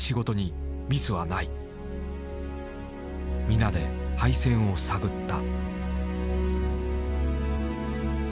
皆で配線を探った。